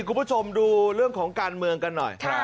คุณผู้ชมดูเรื่องของการเมืองกันหน่อย